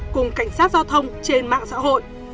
cùng cảnh sát giao thông trên mạng xã hội